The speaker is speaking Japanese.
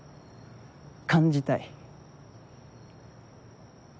感じたい。